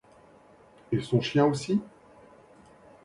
Et son chien aussi ?